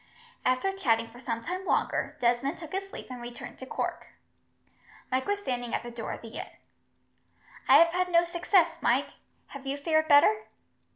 After chatting for some time longer, Desmond took his leave and returned to Cork. Mike was standing at the door of the inn. "I have had no success, Mike. Have you fared better?"